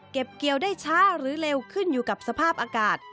เกี่ยวได้ช้าหรือเร็วขึ้นอยู่กับสภาพอากาศ